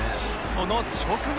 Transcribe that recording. その直後